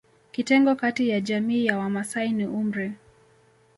Kitengo kati ya jamii ya Wamasai ni umri